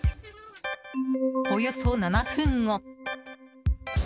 およそ７分後。